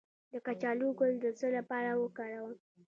د کچالو ګل د څه لپاره وکاروم؟